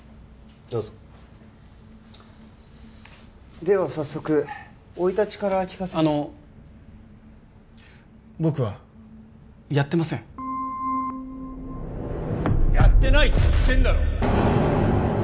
どうぞでは早速生い立ちから聞かせてあの僕はやってませんやってないって言ってんだろ！